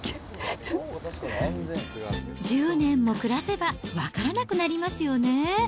１０年も暮らせば分からなくなりますよね。